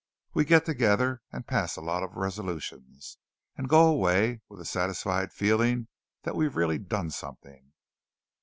We get together and pass a lot of resolutions, and go away with a satisfied feeling that we've really done something."